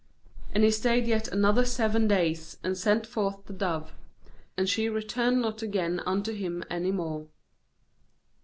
12And he stayed yet other seven days; and sent forth the dove; and she returned not again unto him any more.